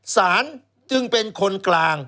สารจึงเป็นคนกลาง